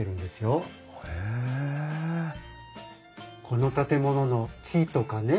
この建物の木とかね